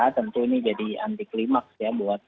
tentu ini jadi anti klimaks ya